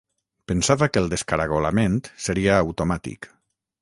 Pensava que el descaragolament seria automàtic.